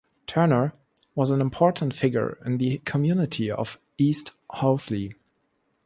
Turner was an important figure in the community of East Hoathly.